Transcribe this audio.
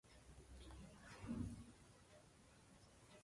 علي په نه خبره خپل زوی په کور کې ګرد را وګډولو.